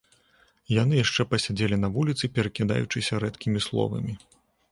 Яны яшчэ пасядзелі на вуліцы, перакідаючыся рэдкімі словамі.